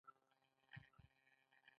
دا به له یوه لوی تناقض سره مخ شي.